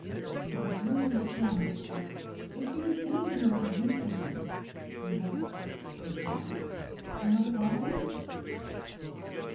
"My dear Mrs. Chalmers, if if there is anything I can do for you." "Yes," said Pybus, "another bottle."